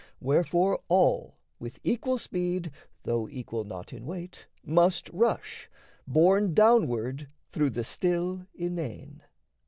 Wherefore all, With equal speed, though equal not in weight, Must rush, borne downward through the still inane.